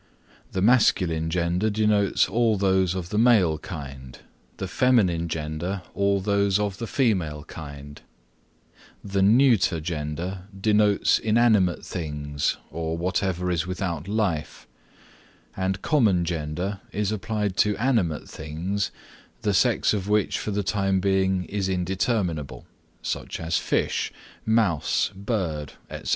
The masculine gender denotes all those of the male kind, the feminine gender all those of the female kind, the neuter gender denotes inanimate things or whatever is without life, and common gender is applied to animate beings, the sex of which for the time being is indeterminable, such as fish, mouse, bird, etc.